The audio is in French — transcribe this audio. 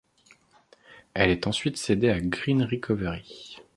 Elle est ensuite cédée à Green Recovery.